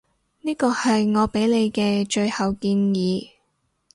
呢個係我畀你嘅最後建議